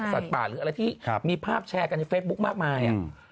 สัตว์ป่าหรืออะไรที่มีภาพแชร์กันในเฟซบุ๊คมากมาย